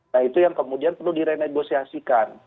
nah itu yang kemudian perlu direnegosiasikan